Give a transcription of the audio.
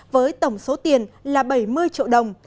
với tổng số tiền là bảy mươi triệu đồng